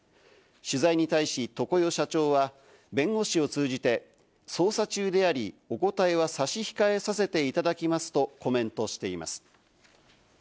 取材に対し、常世社長は弁護士を通じて捜査中であり、お答えは差し控えさせていただきますとコメントしています。